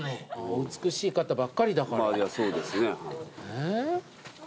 お美しい方ばっかりだからまあいやそうですねえ